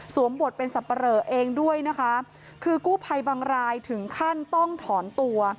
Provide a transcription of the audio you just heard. บทเป็นสับปะเหลอเองด้วยนะคะคือกู้ภัยบางรายถึงขั้นต้องถอนตัว